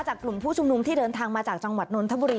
กลุ่มผู้ชุมนุมที่เดินทางมาจากจังหวัดนนทบุรี